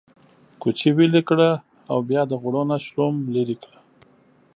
کوچ ويلي کړه او بيا د غوړو نه شلوم ليرې کړه۔